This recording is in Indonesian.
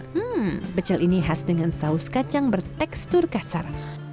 hmm pecel ini khas dengan saus kacang bertekstur kasar